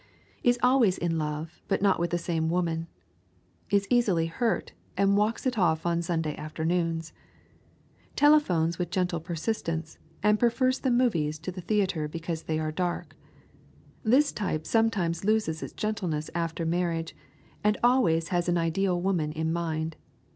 Is always in love, but not with the same woman. Is easily hurt, and walks it off on Sunday afternoons. Telephones with gentle persistence, and prefers the movies to the theater because they are dark. This type sometimes loses its gentleness after marriage, and always has an ideal woman in mind.